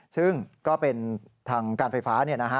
ซึ่งก็เป็นทางการไฟฟ้า